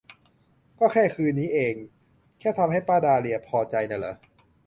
ก็แค่คืนนี้เอง แค่ทำให้ป้าดาเลียพอใจน่ะหรอ